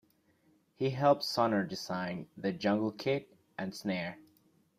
He helped Sonor design the Jungle kit and snare.